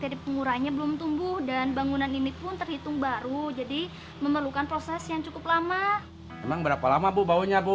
ya ada bentuk tawar yang cengduk